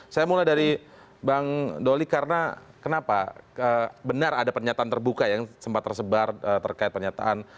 saya mulai dari bang doli karena kenapa benar ada pernyataan terbuka yang sempat tersebar terkait pernyataan